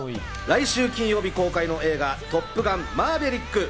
来週金曜日公開の映画『トップガンマーヴェリック』。